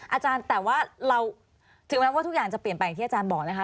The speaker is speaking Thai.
อาจารย์แต่ว่าเราถึงแม้ว่าทุกอย่างจะเปลี่ยนไปอย่างที่อาจารย์บอกนะคะ